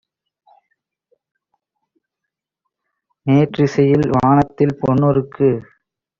மேற்றிசையில் வானத்தில் பொன்னு ருக்கு